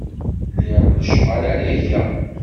Liɣ lecɣal ara geɣ.